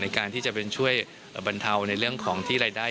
ในการที่จะเป็นช่วยบรรเทาในเรื่องของที่รายได้